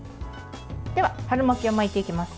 では春巻きを巻いていきます。